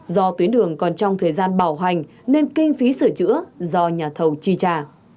do tuyến đường còn trong thời gian bảo hành nên kinh phí sửa chữa do nhà thầu chi trả